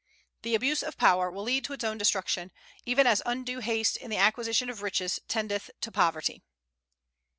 The abuse of power will lead to its own destruction, even as undue haste in the acquisition of riches tendeth to poverty.